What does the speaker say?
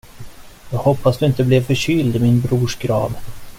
Jag hoppas du inte blev förkyld i min brors grav.